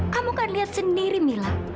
kamu akan lihat sendiri mila